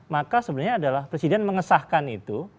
maka sebenarnya adalah presiden mengesahkan itu